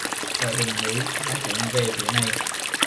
Ở trên đỉnh núi đang tiến về phía này